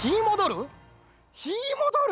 「ひーもどる」？